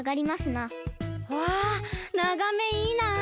わながめいいなあ！